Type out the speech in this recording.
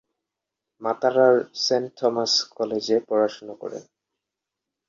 মাতারা’র saint Thomas কলেজে পড়াশুনো করেন।